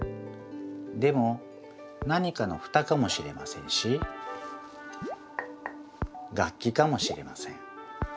でも何かのふたかもしれませんし楽器かもしれません。